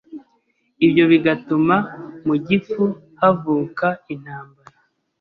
ibyo bigatuma mu gifu havuka intambara,